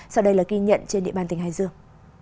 sau đây là ghi nhận trên địa bàn tỉnh hải dương